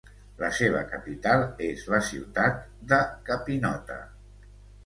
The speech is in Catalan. La seva capital és la ciutat de Capinota.